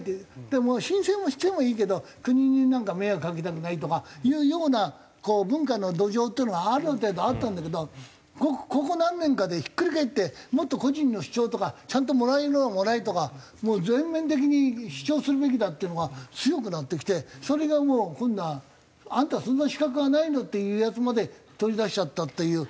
でも申請もしてもいいけど国に迷惑かけたくないとかいうような文化の土壌っていうのがある程度あったんだけどここ何年かでひっくり返ってもっと個人の主張とかちゃんともらえるものはもらえとかもう全面的に主張するべきだっていうのが強くなってきてそれがもう今度はあんたそんな資格はないのっていうヤツまで取りだしちゃったっていう。